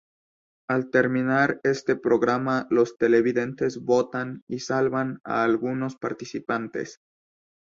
Al terminar este programa los televidentes votan y salvan a algunos participantes.